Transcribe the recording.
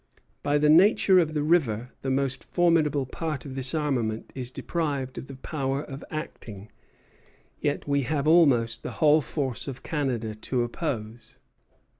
By the nature of the river, the most formidable part of this armament is deprived of the power of acting; yet we have almost the whole force of Canada to oppose.